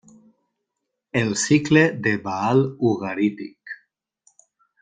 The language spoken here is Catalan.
El cicle de Baal ugarític.